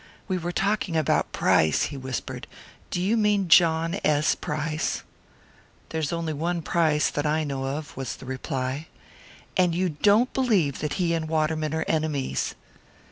"We were talking about Price," he whispered. "Do you mean John S. Price?" "There is only one Price that I know of," was the reply. "And you don't believe that he and Waterman are enemies?"